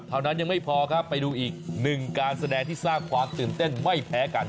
ยังไม่พอครับไปดูอีกหนึ่งการแสดงที่สร้างความตื่นเต้นไม่แพ้กัน